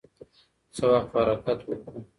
څه وخت به حرکت وکړو؟